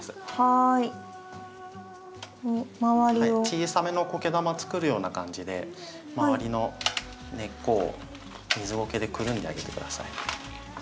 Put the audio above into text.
小さめのこけ玉作るような感じで周りの根っこを水ごけでくるんであげて下さい。